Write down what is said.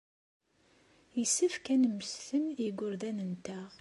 Yessefk ad nemmesten igerdan-nteɣ.